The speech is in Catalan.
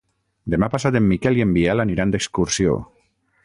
Demà passat en Miquel i en Biel aniran d'excursió.